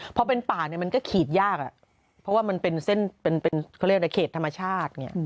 พอเป็นป่าเนี่ยมันก็ขีดยากเพราะว่ามันเป็นเส้นเข็ดธรรมชาติ